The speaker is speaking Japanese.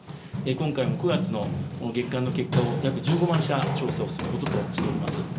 今回も９月の月間の結果を約１５万社、調査をすることとしております。